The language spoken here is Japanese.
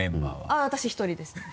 あっ私１人ですね。